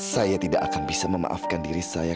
saya tidak akan bisa memaafkan diri saya